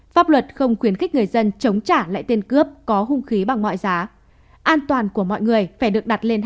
pháp luật không khuyến khích người dân chống trả lại tên cướp có hung khí bằng mọi dự